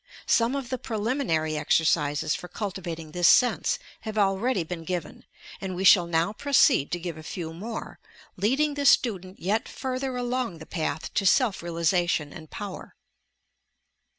Some of the preliminary exercises for cultivat ing this sense have already been given, and we shall now proceed to give a few more, leading the student yet further along the path to self realization and power.